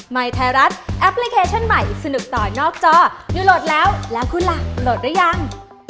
ยไทยรัฐแอปพลิเคชันใหม่สนุกต่อนอกจอยูโหลดแล้วแล้วคุณล่ะโหลดหรือยัง